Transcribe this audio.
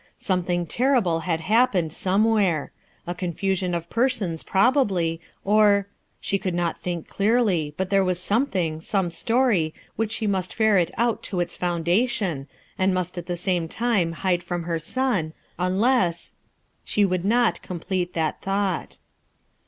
Something terrible had happened somewhere. A confu sion of persons, probably, or — she could not think clearly, but there was something, some story, which she must ferret out to its founda tion, and must at the same time hide from her son, unless — she would not complete that thought.